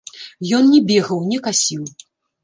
Ён не бегаў, не касіў.